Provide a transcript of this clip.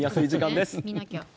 見なきゃ。